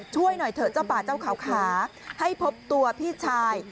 ช่วยหน่อยเถอะเจ้าป่าเจ้าเขาขาให้พบตัวพี่ชาย